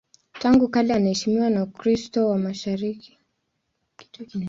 Tangu kale anaheshimiwa na Ukristo wa Mashariki na Ukristo wa Magharibi kama mtakatifu.